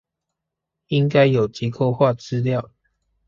應該有結構化資料